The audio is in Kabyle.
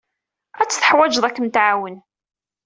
Ad tt-teḥwijeḍ ad kem-tɛawen.